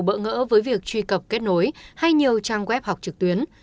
bỡ ngỡ với việc truy cập kết nối hay nhiều trang web học trực tuyến